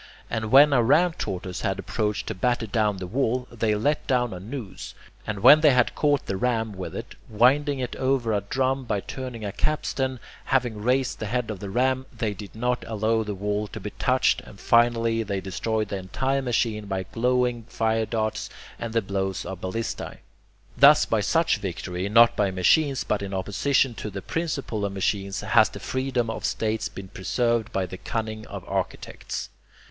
And when a ram tortoise had approached to batter down the wall, they let down a noose, and when they had caught the ram with it, winding it over a drum by turning a capstan, having raised the head of the ram, they did not allow the wall to be touched, and finally they destroyed the entire machine by glowing fire darts and the blows of ballistae. Thus by such victory, not by machines but in opposition to the principle of machines, has the freedom of states been preserved by the cunning of architects.